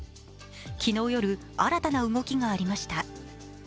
昨日夜、新たな動きがありました。